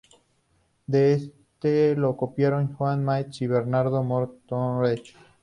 De este lo copiaron Joan Mates y Bernardo Martorell.